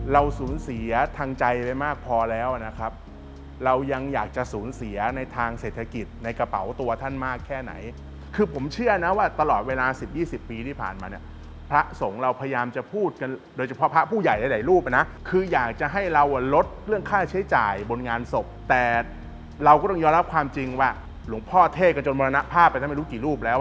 เราสูญเสียทางใจไปมากพอแล้วนะครับเรายังอยากจะสูญเสียในทางเศรษฐกิจในกระเป๋าตัวท่านมากแค่ไหนคือผมเชื่อนะว่าตลอดเวลาสิบยี่สิบปีที่ผ่านมาเนี่ยพระสงฆ์เราพยายามจะพูดกันโดยเฉพาะพระผู้ใหญ่หลายรูปนะคืออยากจะให้เราอ่ะลดเรื่องค่าใช้จ่ายบนงานศพแต่เราก็ต้องยอมรับความจริงว่าหลวงพ่อเทศกันจนมรณภาพไปท่านไม่รู้กี่รูปแล้ว